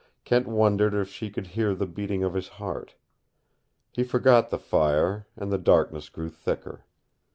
Kent wondered if she could hear the beating of his heart. He forgot the fire, and the darkness grew thicker.